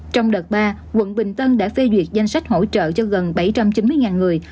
trong đợt ba quận bình tân đã phê duyệt danh sách hỗ trợ cho gần bảy trăm chín mươi người